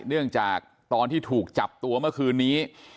เนื่องจากตอนที่ถูกจับตัวเมื่อคืนนี้